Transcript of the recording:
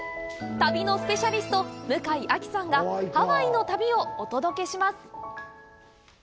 旅のスペシャリスト、向井亜紀さんがハワイの旅をお届けします。